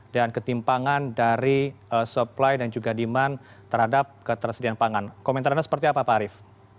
ketimpangan dari supply dan juga demand terhadap ketersediaan pangan komentar anda seperti apa pak arief